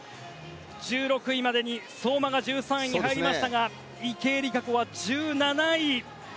１６位までに相馬が１３位に入りましたが池江璃花子は１７位。